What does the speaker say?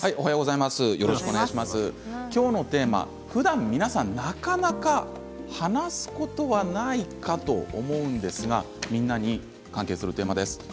今日のテーマふだん皆さんなかなか話すことがないかと思うんですがみんなに関係するテーマです。